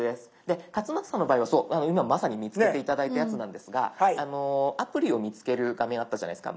勝俣さんの場合はそう今まさに見つけて頂いたやつなんですがアプリを見つける画面あったじゃないですか。